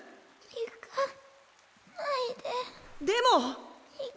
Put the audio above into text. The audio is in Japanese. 行かないで。